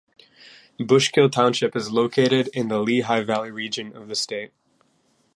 Bushkill Township is located in the Lehigh Valley region of the state.